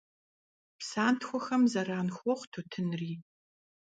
Псантхуэхэм зэран хуохъу тутынри.